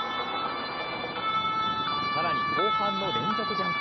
さらに後半の連続ジャンプ。